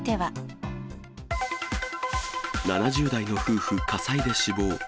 ７０代の夫婦火災で死亡。